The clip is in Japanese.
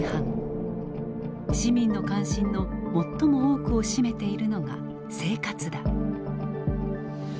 市民の関心の最も多くを占めているのが「生活」だ。